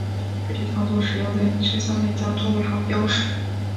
具体操作时要在车厢内加座位号标识。